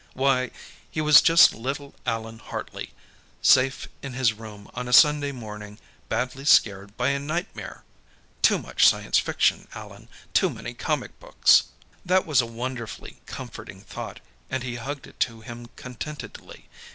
Why, he was just little Allan Hartley, safe in his room on a Sunday morning, badly scared by a nightmare! Too much science fiction, Allan; too many comic books! That was a wonderfully comforting thought, and he hugged it to him contentedly.